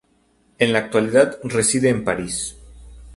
En la actualidad reside en París.